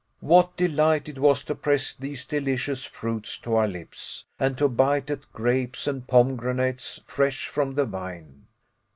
What delight it was to press these delicious fruits to our lips, and to bite at grapes and pomegranates fresh from the vine.